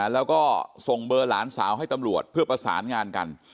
แล้วก็ส่งเบอร์หลานสาวให้ตำรวจเพื่อประสานงานกัน